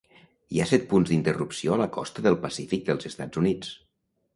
Hi ha set punts d'interrupció a la costa del Pacífic dels Estats Units.